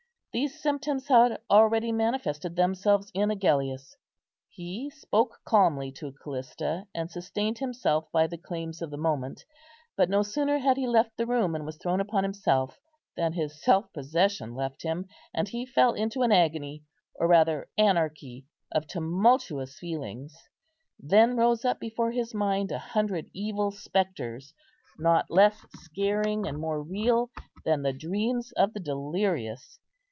These symptoms had already manifested themselves in Agellius; he spoke calmly to Callista, and sustained himself by the claims of the moment; but no sooner had he left the room and was thrown upon himself, than his self possession left him, and he fell into an agony, or rather anarchy of tumultuous feelings. Then rose up before his mind a hundred evil spectres, not less scaring and more real than the dreams of the delirious.